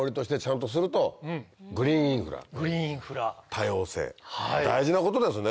多様性大事なことですね。